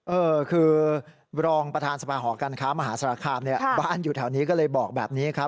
เออคือรองประธานสภาหอการค้ามหาสารคามเนี่ยบ้านอยู่แถวนี้ก็เลยบอกแบบนี้ครับ